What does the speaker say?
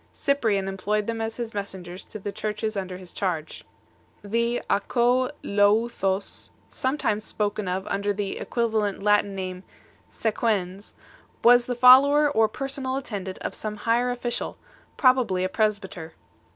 Cyprian 3 employed them as his messengers to the Churches under his charge. .The d/co\ov0o<;, sometimes spoken of under the equiva lent Latin name " sequens 4 ," was the follower or personal attendant of some higher official, probably a presbyter.